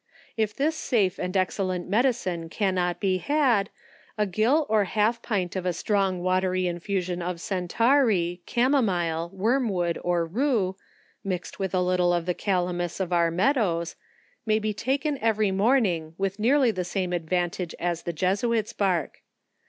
If this safe and excel lent medicine cannot be had, a gill or half a pint of a strong watery infusion of centaury, camomile, wormwood, or rue, mixed witli a little of the calamus of our mead ows, may be taken every morning with nearly the same advantage as the Jesuits bark.